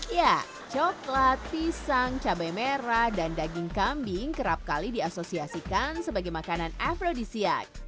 ya coklat pisang cabai merah dan daging kambing kerap kali diasosiasikan sebagai makanan afrodisiak